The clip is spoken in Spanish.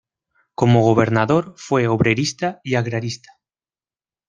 Como gobernador fue obrerista y agrarista.